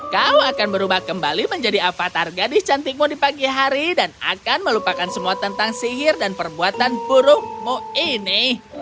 kau akan berubah kembali menjadi avatar gadis cantikmu di pagi hari dan akan melupakan semua tentang sihir dan perbuatan burukmu ini